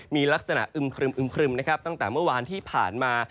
มีลักษณะอึมครึมตั้งแต่เมื่อวานที่ผ่านมา